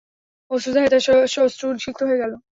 অশ্রুধারায় তাঁর শ্বশ্রু সিক্ত হয়ে গেল।